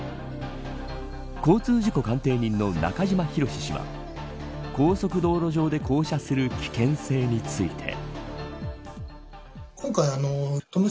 交通事故鑑定人の中島博史氏は高速道路上で降車する危険性について。